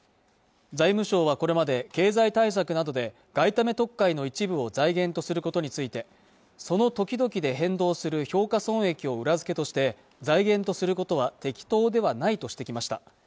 財務省はこれまで経済対策などで外為特会の一部を財源とすることについてその時々で変動する評価損益を裏付けとして財源とすることは適当ではないとしてきました